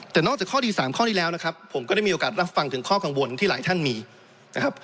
แต่นอกจากข้อดี๓ข้อที่แล้วนะครับผมก็ได้มีโอกาสรับฟังถึงข้อกังวลที่หลายท่านมีนะครับ